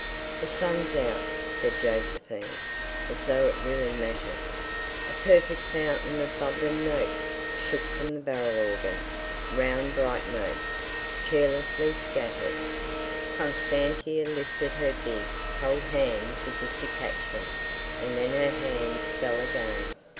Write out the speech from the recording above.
"The sun's out," said Josephine, as though it really mattered. A perfect fountain of bubbling notes shook from the barrel organ, round, bright notes, carelessly scattered. Constantia lifted her big, cold hands as if to catch them, and then her hands fell again.